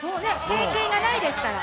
経験がないですから。